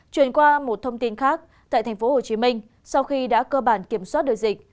chuyển qua một thông tin khác tại tp hcm sau khi đã cơ bản kiểm soát được dịch